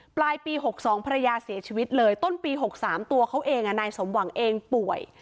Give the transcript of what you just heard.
ปลายปี๖๒ภรรยาเสียชีวิตเลยต้นปี๖๓ตัวเขาเองนายสมหวังเองป่วย